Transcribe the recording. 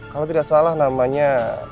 kalau tidak salah namanya